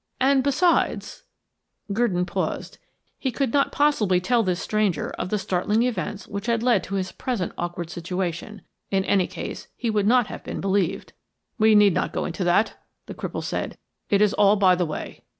And, besides " Gurdon paused; he could not possibly tell this stranger of the startling events which had led to his present awkward situation. In any case, he would not have been believed. "We need not go into that," the cripple said. "It is all by the way.